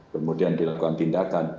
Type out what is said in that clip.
kemudian dilakukan tindakan